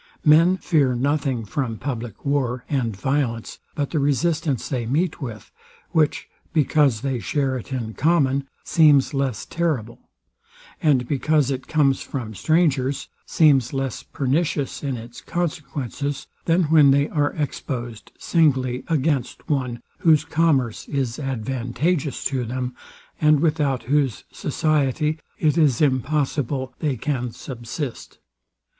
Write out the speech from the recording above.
Men fear nothing from public war and violence but the resistance they meet with, which, because they share it in common, seems less terrible; and because it comes from strangers, seems less pernicious in its consequences, than when they are exposed singly against one whose commerce is advantageous to them, and without whose society it is impossible they can subsist.